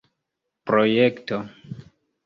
projekto